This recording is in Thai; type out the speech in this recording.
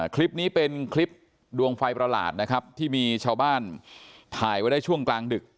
คลิปนี้เป็นคลิปดวงไฟประหลาดนะครับที่มีชาวบ้านถ่ายไว้ได้ช่วงกลางดึก